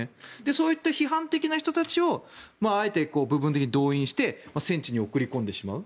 そういった批判的な人たちをあえて部分的に動員して戦地に送り込んでしまう。